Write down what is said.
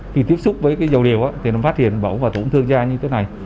khi tiếp xúc với cái dầu điều thì nó phát hiện mẫu và tổn thương da như thế này